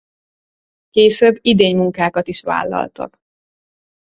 Később idénymunkákat is vállaltak.